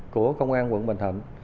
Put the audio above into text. của công an quận bình thận